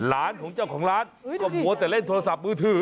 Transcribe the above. ร้านของเจ้าของร้านก็มัวแต่เล่นโทรศัพท์มือถือ